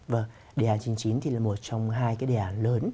vâng đề án chín mươi chín thì là một trong hai cái đề án lớn